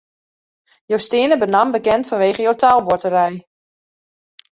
Jo steane benammen bekend fanwege jo taalboarterij.